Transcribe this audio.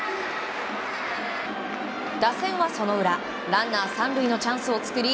打線は、その裏ランナー３塁のチャンスを作り